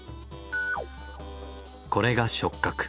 これが触覚。